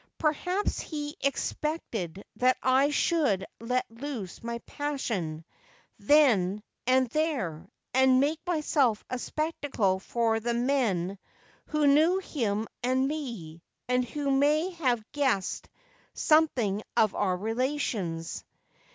Per haps he expected that I should let loose my passion then and there, and make myself a spectacle for the men who knew him and me, and who may have guessed something of our relations.